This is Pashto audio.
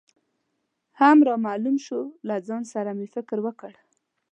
هم رامعلوم شو، له ځان سره مې فکر وکړ.